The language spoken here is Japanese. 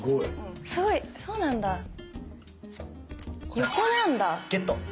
横なんだ。